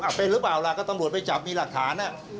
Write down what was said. เป็นหรือเปล่าล่ะก็ตำรวจไปจับมีหลักฐาน